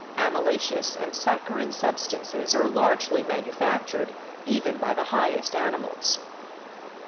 Amylaceous and saccharine substances are largely manufactured, even by the highest animals.